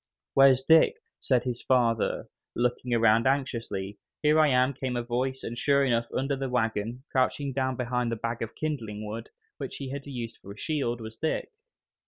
"Where's Dick?" said his father, looking around anxiously. "Here I am!" came a voice, and sure enough, under the wagon, crouching down behind the bag of kindling wood, which he had used for a shield, was Dick.